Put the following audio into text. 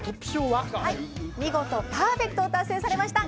はい見事パーフェクトを達成されました